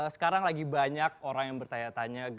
sekarang lagi banyak orang yang bertanya tanya